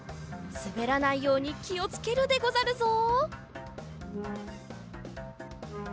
すべらないようにきをつけるでござるぞ。